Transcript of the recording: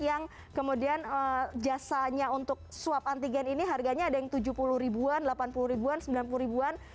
yang kemudian jasanya untuk swab antigen ini harganya ada yang rp tujuh puluh an rp delapan puluh an rp sembilan puluh an